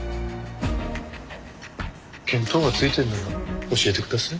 見当がついてるなら教えてください。